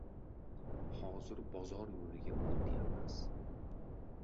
Hozir bozor yo‘liga o‘tyapmiz.